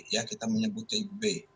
ya kita menyebutnya ibu b